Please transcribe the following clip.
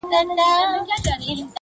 چي هر څوک د ځان په غم دي.!